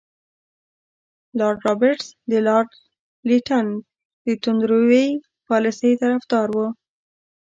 لارډ رابرټس د لارډ لیټن د توندروي پالیسۍ طرفدار وو.